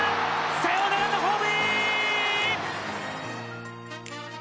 サヨナラのホームイン！